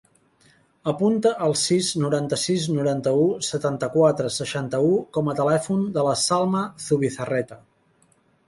Apunta el sis, noranta-sis, noranta-u, setanta-quatre, seixanta-u com a telèfon de la Salma Zubizarreta.